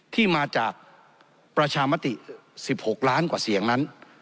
ที่มาจากประชามติ๑๖ล้านกว่าเสียงนั้น